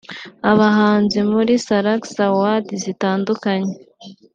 abahanzi muri Salax Awards zitandukanye